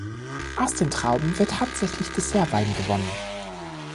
Aus den Trauben wird hauptsächlich Dessertwein gewonnen.